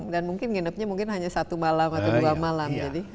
dan mungkin nginepnya mungkin hanya satu malam atau dua malam